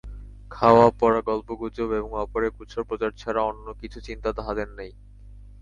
খাওয়া-পরা গল্প-গুজব এবং অপরের কুৎসা-প্রচার ছাড়া অন্য কিছু চিন্তা তাঁহাদের নাই।